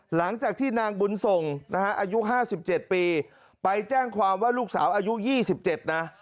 หลังจากที่นางบุญส่งนะฮะอายุ๕๗ปีไปแจ้งความว่าลูกสาวอายุ๒๗นะ